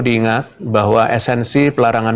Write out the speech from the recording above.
diingat bahwa esensi pelarangan